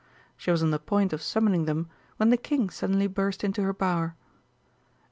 She was on the point of summoning them when the King suddenly burst into her bower.